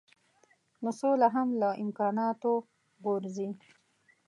نو سوله هم له امکاناتو غورځي.